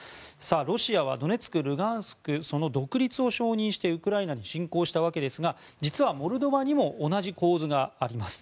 ロシアはドネツク、ルガンスクその独立を承認してウクライナに侵攻したわけですがモルドバにも同じ構図があります。